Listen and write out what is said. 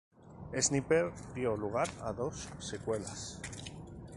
Sniper dio lugar a dos secuelas.